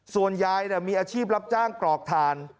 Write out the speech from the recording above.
ส่วนยายเนี่ยมีอาชีพรับจ้างกรอกฐาน